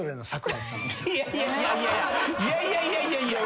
いやいやいや！